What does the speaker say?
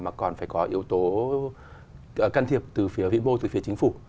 mà còn phải có yếu tố can thiệp từ phía vĩ mô từ phía chính phủ